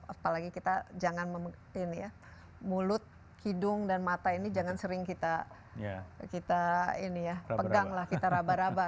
apalagi kita jangan mulut hidung dan mata ini jangan sering kita pegang lah kita raba raba